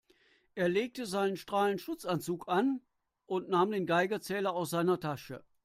Er legte seinen Strahlenschutzanzug an und nahm den Geigerzähler aus seiner Tasche.